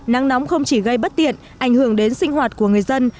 nắng nóng không chỉ gây bất tiện ảnh hưởng đến sinh hoạt của người dân